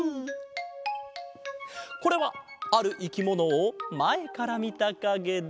これはあるいきものをまえからみたかげだ。